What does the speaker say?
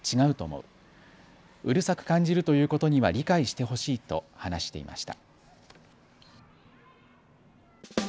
うるさく感じるということには理解してほしいと話していました。